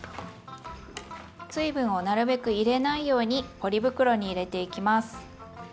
水分をなるべく入れないようにポリ袋に入れていきます。